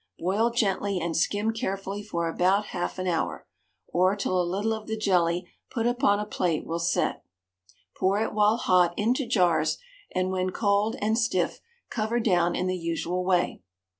Boil gently and skim carefully for about half an hour, or till a little of the jelly put upon a plate will set. Pour it while hot into jars, and when cold and stiff cover down in the usual way.